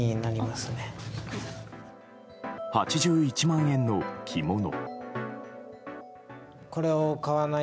８１万円の着物。